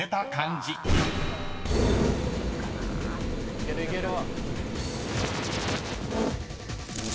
いけるいける。